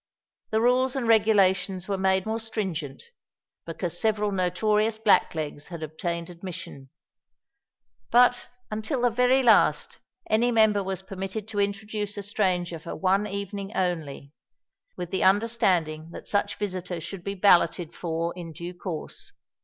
The rules and regulations were made more stringent, because several notorious black legs had obtained admission; but, until the very last, any member was permitted to introduce a stranger for one evening only, with the understanding that such visitor should be balloted for in due course.